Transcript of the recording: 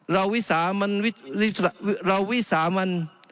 เราวิสามัน